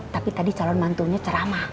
tapi tadi calon mantunya ceramah